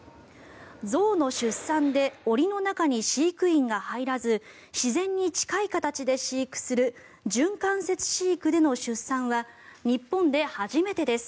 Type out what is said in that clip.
象の出産で檻の中に飼育員が入らず自然に近い形で飼育する準間接飼育での出産は日本で初めてです。